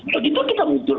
begitu kita mundur